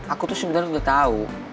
aku tuh sebenernya udah tau